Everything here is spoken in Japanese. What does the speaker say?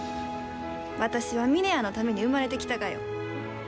私は峰屋のために生まれてきたがよ。